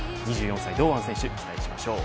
２４歳、堂安選手期待しましょう。